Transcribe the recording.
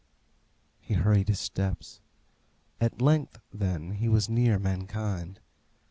He hurried his steps. At length, then, he was near mankind.